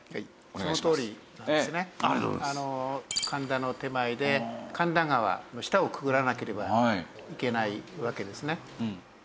神田の手前で神田川の下をくぐらなければいけないわけですね。